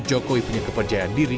jokowi punya kepercayaan diri